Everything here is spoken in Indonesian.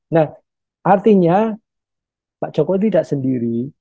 nah artinya pak jokowi tidak sendiri